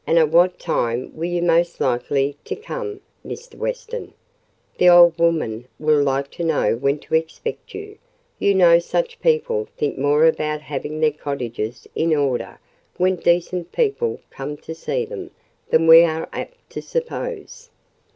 "And at what time will you be most likely to come, Mr. Weston? The old woman will like to know when to expect you—you know such people think more about having their cottages in order when decent people come to see them than we are apt to suppose."